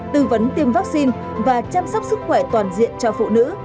tư vấn tiêm vaccine và chăm sóc sức khỏe toàn diện cho phụ nữ